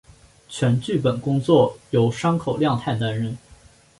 全剧本工作由山口亮太担任。